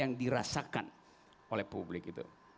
yang dirasakan oleh publik itu